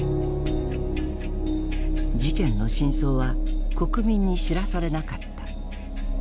事件の真相は国民に知らされなかった。